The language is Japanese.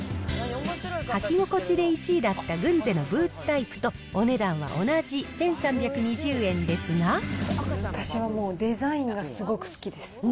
履き心地で１位だったグンゼのブーツタイプと、私はもうデザインがすごく好きです。